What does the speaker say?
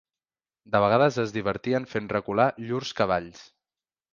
De vegades es divertien fent recular llurs cavalls